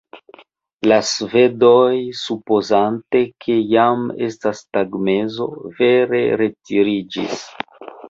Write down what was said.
La svedoj, supozante ke jam estas tagmezo, vere retiriĝis.